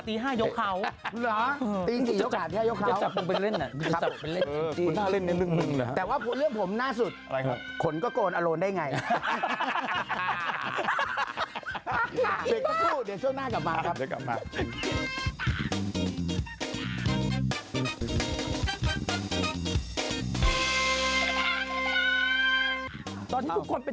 ตอนนี้ทุกคนเป็นนักแจกอิทสละหมดเลย